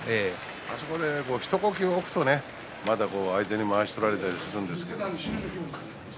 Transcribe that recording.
あそこで一呼吸置くと相手にまわし取られたりするんですが。